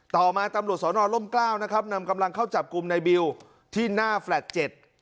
ต่อมาตำรวจสอนอล่มกล้าวนะครับนำกำลังเข้าจับกลุ่มในบิวที่หน้าแฟลต์เจ็ด